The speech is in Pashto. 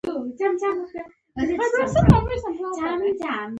د سترګو د تورې حلقې لپاره کچالو وکاروئ